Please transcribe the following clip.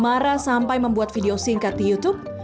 marah sampai membuat video singkat di youtube